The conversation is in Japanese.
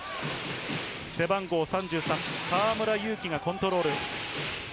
背番号３３・河村勇輝がコントロール。